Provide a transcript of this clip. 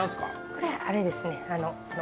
これあれですね。